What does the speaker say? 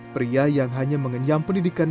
pria yang hanya mengenyam pendidikan